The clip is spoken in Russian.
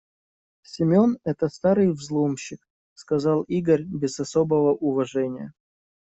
«Семён - это старый взломщик», - сказал Игорь без особого уважения.